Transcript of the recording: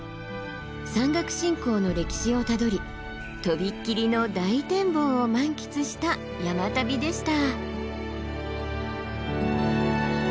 山岳信仰の歴史をたどりとびっきりの大展望を満喫した山旅でした。